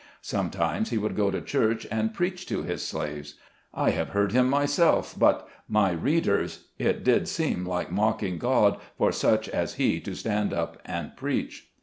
Sometimes he would go to church and preach to his slaves. I have heard him myself, but, my readers, it did seem like mocking God for such as he to stand up and preach.